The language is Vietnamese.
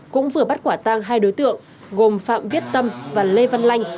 cũng vừa bắt quả tang hai đối tượng gồm phạm viết tâm và lê văn lanh